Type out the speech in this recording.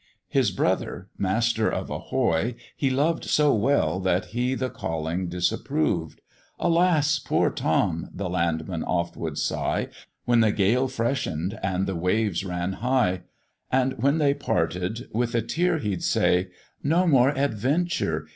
His brother, master of a hoy, he loved So well, that he the calling disapproved: "Alas! poor Tom!" the landman oft would sigh When the gale freshen'd and the waves ran high; And when they parted, with a tear he'd say, "No more adventure!